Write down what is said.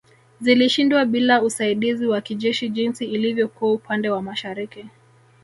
Zilishindwa bila usaidizi wa kijeshi jinsi ilivyokuwa upande wa mashariki